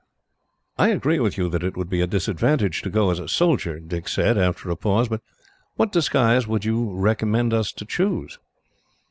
"I agree with you that it would be a disadvantage to go as a soldier," Dick said, after a pause; "but what disguise would you recommend us to choose?"